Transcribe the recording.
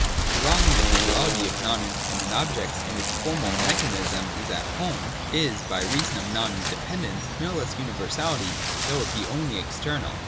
The wrong individuality of non independent objects, in which formal Mechanism is at home, is, by reason of that non independence, no less universality, though it be only external.